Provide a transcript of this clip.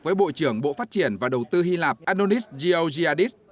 với bộ trưởng bộ phát triển và đầu tư hy lạp adonis georgiadis